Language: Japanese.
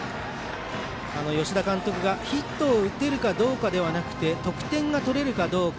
吉田監督がヒットを打てるかどうかではなくて得点が取れるかどうか。